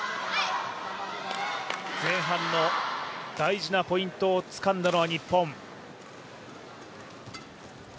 前半の大事なポイントをつかんだのは日本。